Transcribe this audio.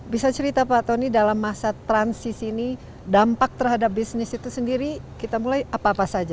bisa cerita pak tony dalam masa transisi ini dampak terhadap bisnis itu sendiri kita mulai apa apa saja